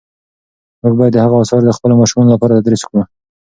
موږ باید د هغه آثار د خپلو ماشومانو لپاره تدریس کړو.